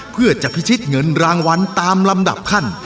เพื่อจะพิชิตเงินรางวัลตามลำดับขั้น